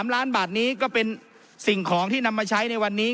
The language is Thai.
๓ล้านบาทนี้ก็เป็นสิ่งของที่นำมาใช้ในวันนี้